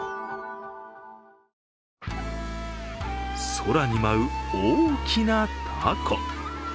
空に舞う、大きな凧。